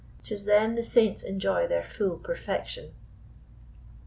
'Tis then the Saints enjoy their full perfection.